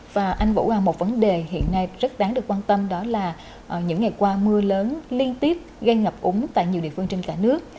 và anh vũ là một vấn đề hiện nay rất đáng được quan tâm đó là những ngày qua mưa lớn liên tiếp gây ngập úng tại nhiều địa phương trên cả nước